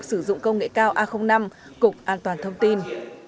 sử dụng công nghệ cao a năm cục an toàn thông tin